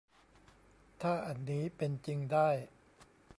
ถ้าอันนี้เป็นจริงได้